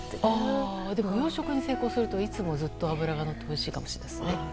でも養殖に成功するといつも脂がのっておいしいかもしれないですね。